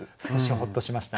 ほっとしました。